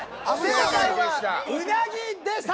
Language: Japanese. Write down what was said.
正解はうなぎでした。